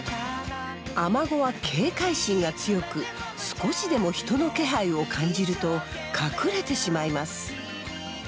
アマゴは警戒心が強く少しでも人の気配を感じると隠れてしまいます。